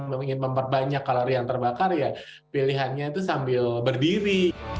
ingin memperbanyak kalori yang terbakar ya pilihannya itu sambil berdiri